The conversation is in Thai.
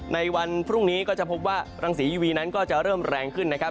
ในวันพรุ่งนี้ก็จะพบว่ารังสียูวีนั้นก็จะเริ่มแรงขึ้นนะครับ